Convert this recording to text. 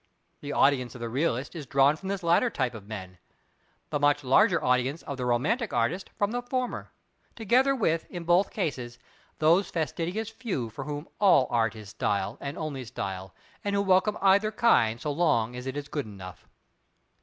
The audience of the realist is drawn from this latter type of man; the much larger audience of the romantic artist from the former; together with, in both cases, those fastidious few for whom all Art is style and only style, and who welcome either kind, so long as it is good enough.